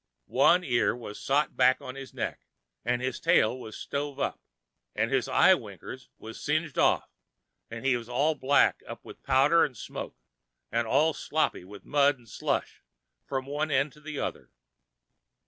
One ear was sot back on his neck, 'n' his tail was stove up, 'n' his eye winkers was singed off, 'n' he was all blacked up with powder an' smoke, an' all sloppy with mud 'n' slush f'm one end to the other.